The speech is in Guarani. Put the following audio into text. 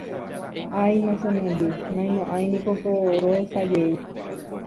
Áina che memby naimo'ãiniko ko rohechajey